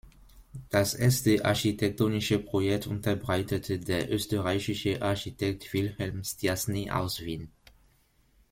Das erste architektonische Projekt unterbreitete der österreichische Architekt Wilhelm Stiassny aus Wien.